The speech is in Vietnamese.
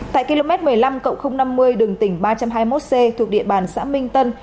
tại km một mươi năm năm mươi đường tỉnh ba trăm hai mươi một c thuộc địa bàn xã minh tân